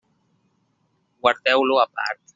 Guardeu-lo a part.